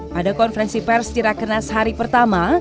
pada konferensi pers di rakernas hari pertama